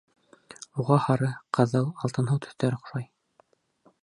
Уға һары, ҡыҙыл, алтынһыу төҫтәр оҡшай.